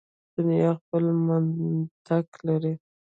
دنیا خپل منطق لري.